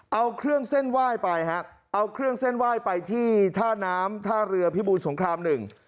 เอาเครื่องเส้นไหว้ไปที่ท่าน้ำท่าเรือพิบูรสงครามหนึ่ง